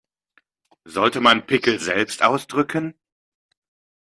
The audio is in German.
Sollte man Pickel selbst ausdrücken?